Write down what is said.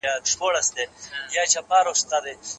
تعلیم د فقر کچه راکموي.